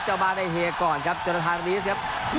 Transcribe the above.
เจ้าบ้านได้เฮก่อนครับจนทางลีสครับ